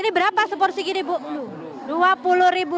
ini berapa seporsi gini bu